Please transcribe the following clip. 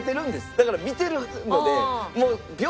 だから見てるので。